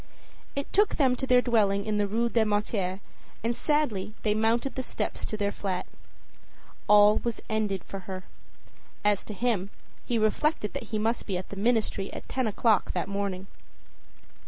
It took them to their dwelling in the Rue des Martyrs, and sadly they mounted the stairs to their flat. All was ended for her. As to him, he reflected that he must be at the ministry at ten o'clock that morning.